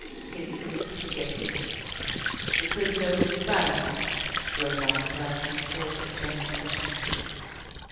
HIS CHRISTMAS GIFT "The prisoner will stand," droned out the clerk in the Court of General Sessions.